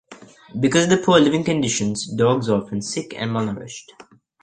Because of the poor living conditions, dogs are often sick and malnourished.